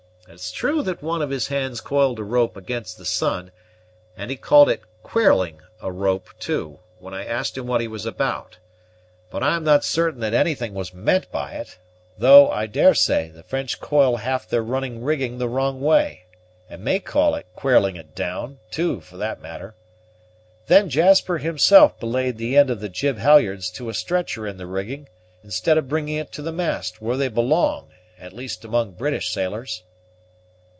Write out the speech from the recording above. It is true that one of his hands coiled a rope against the sun, and he called it querling a rope, too, when I asked him what he was about; but I am not certain that anything was meant by it; though, I daresay, the French coil half their running rigging the wrong way, and may call it 'querling it down,' too, for that matter. Then Jasper himself belayed the end of the jib halyards to a stretcher in the rigging, instead of bringing it to the mast, where they belong, at least among British sailors."